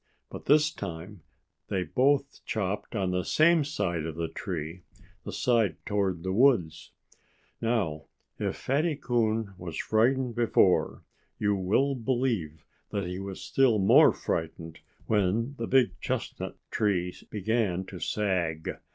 But this time they both chopped on the same side of the tree the side toward the woods. Now, if Fatty Coon was frightened before, you will believe that he was still more frightened when the big chestnut tree began to sag.